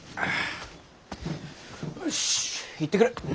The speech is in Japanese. よし行ってくる。